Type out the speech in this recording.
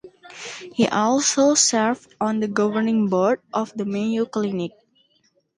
He also served on the governing board of the Mayo Clinic.